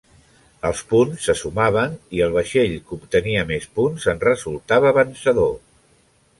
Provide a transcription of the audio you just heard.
Els punts se sumaven i el vaixell que obtenia més punts en resultava vencedor.